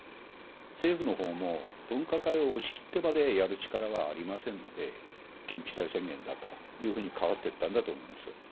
政府のほうも分科会を押し切ってまでやる力はありませんので、緊急事態宣言だというふうに変わっていったんだと思います。